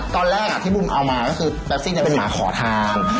ตอนแรกที่บุมเอามาก็คือแปซิ่งเป็นหมาขอทาน